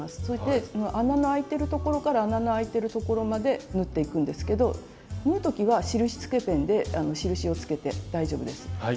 そして穴のあいてるところから穴のあいてるところまで縫っていくんですけど縫う時は印つけペンで印をつけて大丈夫です。